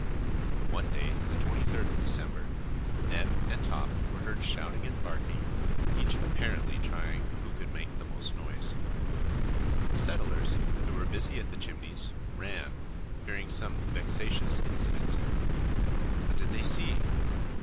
One day, the 23rd of December, Neb and Top were heard shouting and barking, each apparently trying who could make the most noise. The settlers, who were busy at the Chimneys, ran, fearing some vexatious incident. What did they see?